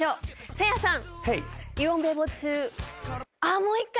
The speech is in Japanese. せいやさん。